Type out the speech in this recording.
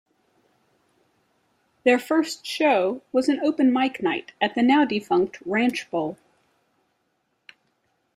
Their first show was an open-mic night at the now defunct Ranch Bowl.